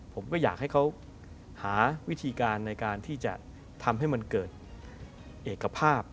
ผมก็อยากให้เขาหาวิธีการในการที่จะทำให้มันเกิดเอกภาพ